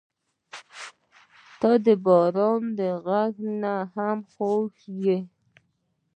• ته د باران غږ نه هم خوږه یې.